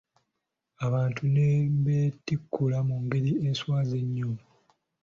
Abantu ne bentinkuula mu ngeri eswaza ennyo!